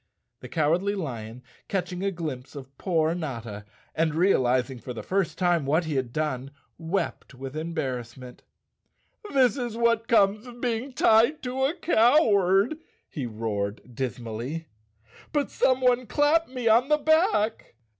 The Cowardly Lion, catching a glimpse of poor Notta, and realizing for the first time what he had done, wept with embarrassment. "This is what comes of being tied to a coward," he roared dismally, "but someone clapped me on the back."